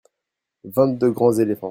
vingt deux grands éléphants.